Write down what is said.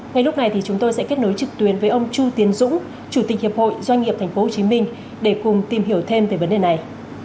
ngay lúc này thì chúng tôi sẽ kết nối trực tuyến với ông chu tiến dũng chủ tịch hiệp hội doanh nghiệp tp hcm để cùng tìm hiểu thêm về vấn đề này